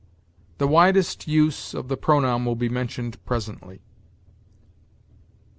The widest use of the pronoun will be mentioned presently.